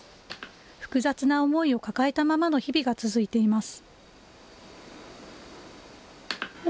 複雑な思いを抱えたままの日々が続いています。